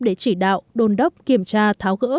để chỉ đạo đồn đốc kiểm tra tháo gỡ